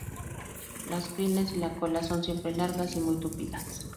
Las crines y la cola son siempre largas y muy tupidas.